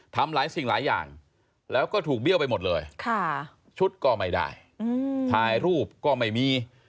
ทำหลายสิ่งหลายอย่างแล้วก็ถูกเบี้ยวไปหมดเลยชุดก็ไม่ได้ถ่ายรูปก็ไม่มี